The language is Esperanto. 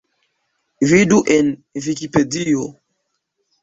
Vidu en Vikipedio.